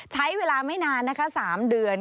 ใช้เวลาไม่นานนะคะ๓เดือน